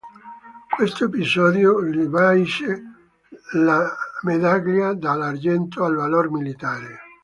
Questo episodio gli valse la medaglia d'argento al valor militare.